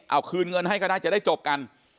เอาคืนเงินให้ก็ได้จะได้จบกัน